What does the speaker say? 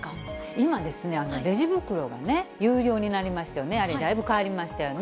今、レジ袋が有料になりましたよね、あれ、だいぶ変わりましたよね。